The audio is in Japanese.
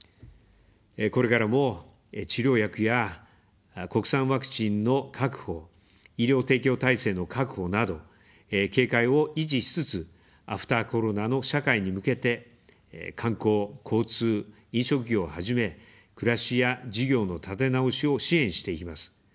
これからも治療薬や国産ワクチンの確保、医療提供体制の確保など警戒を維持しつつ、アフターコロナの社会に向けて、観光、交通、飲食業をはじめ、暮らしや事業の立て直しを支援していきます。